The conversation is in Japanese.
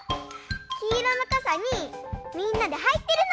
きいろのかさにみんなではいってるの。